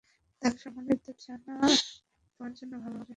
তার সম্মতি জানা তোমার জন্য ভালো হবে।